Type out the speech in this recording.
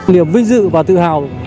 niềm vinh dự và tự hào